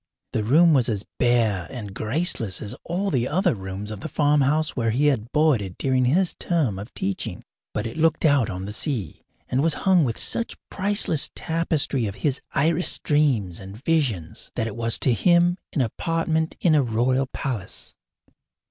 The room was as bare and graceless as all the other rooms of the farmhouse where he had boarded during his term of teaching; but it looked out on the sea, and was hung with such priceless tapestry of his iris dreams and visions that it was to him an apartment in a royal palace.